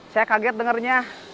saya kaget dengarnya